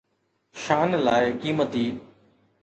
شان لاءِ قيمتي